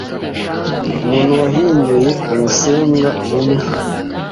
umuntu wahinduye 'ubusembwa bumwe'